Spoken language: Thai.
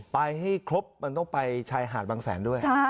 ไปให้ครบมันต้องไปชายหาดบางแสนด้วย